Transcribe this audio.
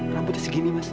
rambutnya segini mas